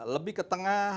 lebih ke tengah